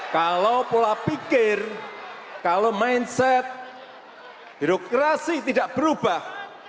kalau pola pikir kalau mindset birokrasi tidak berubah